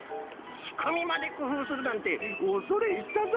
しくみまでくふうするなんておそれいったぞい！